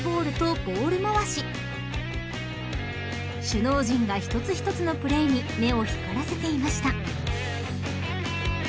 ［首脳陣が一つ一つのプレーに目を光らせていました］